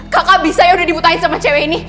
kakak bisa yang udah dibutahin sama cewe ini